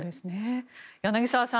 柳澤さん